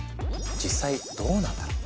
実際どうなんだろう？